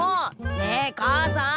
ねえ母さん！